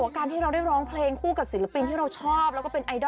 กราบราบแม่พ่อหลังจากเรียนจบหมอพลาย